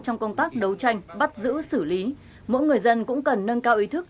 trong công tác đấu tranh bắt giữ xử lý mỗi người dân cũng cần nâng cao ý thức